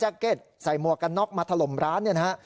หมายถึงผู้ชายที่สวมแจ็คเก็ตใส่มวกกันน็อกมาถล่มร้านเนี่ยนะฮะ